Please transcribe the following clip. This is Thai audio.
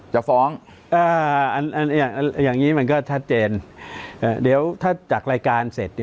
จะฟ้องอย่างนี้มันก็ชัดเจนเดี๋ยวถ้าจากรายการเสร็จ